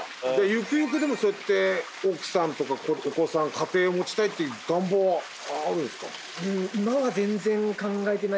ゆくゆく奥さんとかお子さん家庭を持ちたいっていう願望はあるんですか？